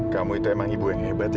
kamu itu emang ibu yang hebat ya